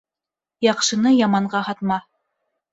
Яҡшыны яманға һатма.